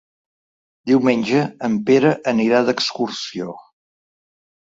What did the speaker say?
Diumenge en Pere anirà d'excursió.